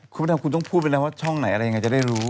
ครูปอดามคุณคุณต้องพูดเป็นไรว่าช่องไหนอะไรยังไงยังไงจะได้รู้